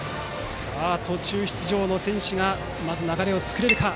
途中出場の選手が流れを作れるか。